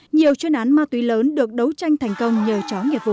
nhiều chuyên án ma túy lớn được đấu tranh thành công nhờ chó nghiệp vụ